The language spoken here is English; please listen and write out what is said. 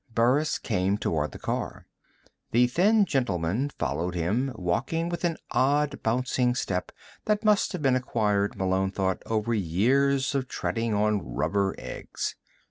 Burris came toward the car. The thin gentleman followed him, walking with an odd bouncing step that must have been acquired, Malone thought, over years of treading on rubber eggs.